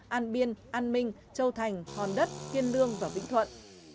an biên an minh châu thành hòn đất kiên lương và vĩnh thuận